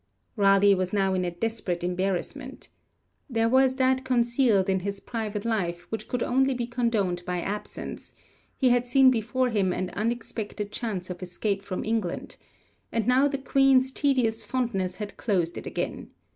Raleigh was now in a desperate embarrassment. There was that concealed in his private life which could only be condoned by absence; he had seen before him an unexpected chance of escape from England, and now the Queen's tedious fondness had closed it again.